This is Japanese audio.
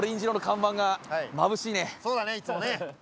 そうだねいつもね。